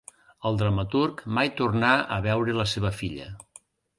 El dramaturg mai tornà a veure la seva filla.